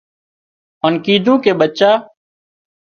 هانَ ڪيڌون ڪي ٻچا